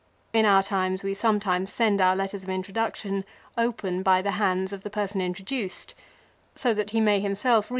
In our times we sometimes send our letters of introduction open by the hands of the person introduced, so that he may himself 1 Ca.